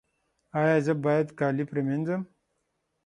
ایا زه باید کالي پریمنځم؟